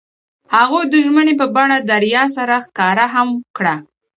هغوی د ژمنې په بڼه دریا سره ښکاره هم کړه.